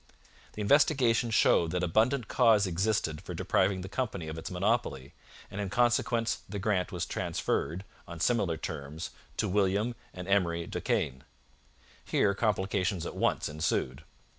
The investigation showed that abundant cause existed for depriving the company of its monopoly, and in consequence the grant was transferred, on similar terms, to William and Emery de Caen. Here complications at once ensued.